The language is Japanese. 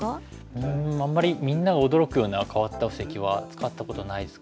うんあんまりみんなが驚くような変わった布石は使ったことないですかね。